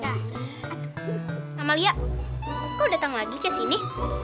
amalia kau datang lagi ke sini